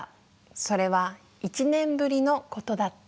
それは、一年ぶりのことだった」。